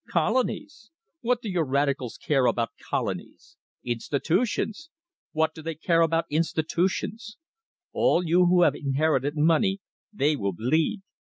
Colonies! What do your radicals care about colonies? Institutions! What do they care about institutions? All you who have inherited money, they will bleed.